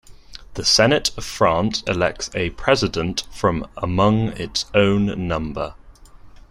The Senate of France elects a president from among its own number.